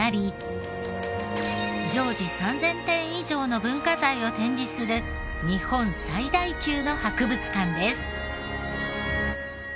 常時３０００点以上の文化財を展示する日本最大級の博物館です。